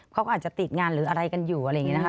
เขาก็อาจจะติดงานหรืออะไรกันอยู่อะไรอย่างนี้นะคะ